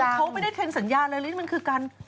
เขาไม่ได้เซ็นสัญญาเลยนี่มันคือการ